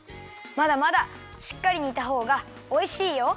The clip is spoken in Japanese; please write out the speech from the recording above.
まだまだしっかりにたほうがおいしいよ。